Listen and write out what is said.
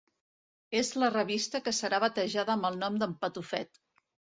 És la revista que serà batejada amb el nom d'En Patufet.